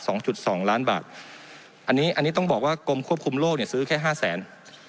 สองจุดสองล้านบาทอันนี้อันนี้ต้องบอกว่ากรมควบคุมโลกเนี่ยซื้อแค่ห้าแสน